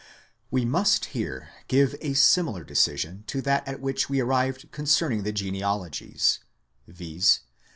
We must here give a similar decision to that at which we arrived concern ing the genealogies ; viz.